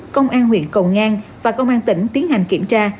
công an huyện cầu ngang và công an tỉnh tiến hành kiểm tra